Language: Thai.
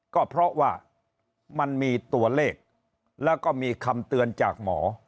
ก็เพราะว่ามันมีตัวเลขแล้วก็มีคำเตือนจากหมอ